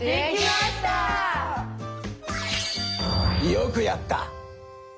よくやった！